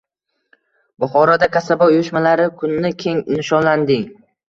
Buxoroda kasaba uyushmalari kuni keng nishonlanding